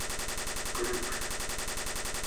تِرچ